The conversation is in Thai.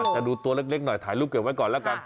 แต่ดูตัวเล็กหน่อยถ่ายรูปเก็บไว้ก่อนแล้วกัน